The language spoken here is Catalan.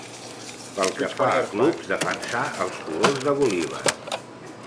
Pel que fa a clubs, defensà els colors de Bolívar.